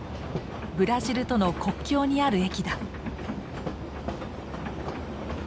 ブラジルとの国境にある駅だ。